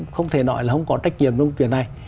không thể nói là không có trách nhiệm trong chuyện này